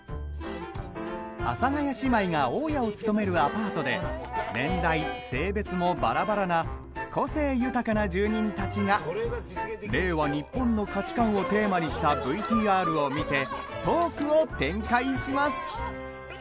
阿佐ヶ谷姉妹が大家を務めるアパートで年代、性別もばらばらな個性豊かな住人たちが「令和日本の価値観」をテーマにしたＶＴＲを見てトークを展開します。